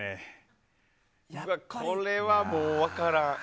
これはもう分からん。